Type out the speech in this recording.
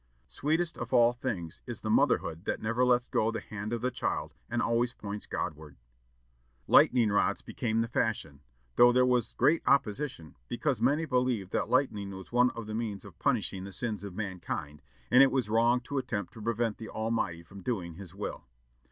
Sweetest of all things is the motherhood that never lets go the hand of the child, and always points Godward! Lightning rods became the fashion, though there was great opposition, because many believed that lightning was one of the means of punishing the sins of mankind, and it was wrong to attempt to prevent the Almighty from doing his will.